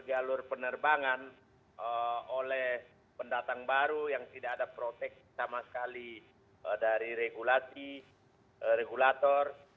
jalur penerbangan oleh pendatang baru yang tidak ada proteksi sama sekali dari regulasi regulator